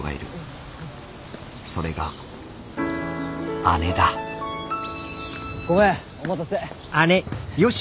それが姉だごめんお待たせ。